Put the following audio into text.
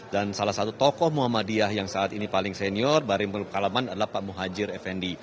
dan salah satu tokoh muhammadiyah yang saat ini paling senior bari mengelup kalaman adalah pak muhadjir effendi